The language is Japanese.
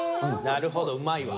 なるほどうまいわ。